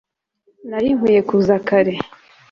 nari nkwiye kuza kare